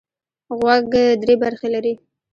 غوږ درې برخې لري.